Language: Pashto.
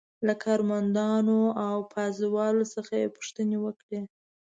له کارمندانو او پازوالو څخه یې پوښتنې وکړې.